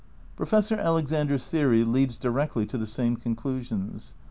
Professor Alexander's theory leads directly to the same conclusions.